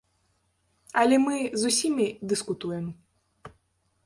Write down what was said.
Але мы з усімі дыскутуем.